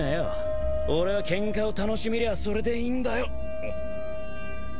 俺はケンカを楽しめりゃあそれでいいんだよ。